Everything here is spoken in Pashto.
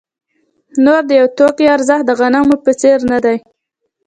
نور د یوه توکي ارزښت د غنمو په څېر نه دی